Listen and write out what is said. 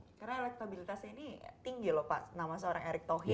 karena elektabilitasnya ini tinggi lho pak nama seorang erick thohir